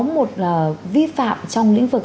một vi phạm trong lĩnh vực